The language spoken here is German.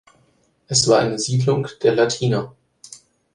Es war eine Siedlung der Latiner.